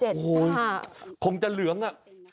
โอ้โหคงจะเหลืองอ่ะ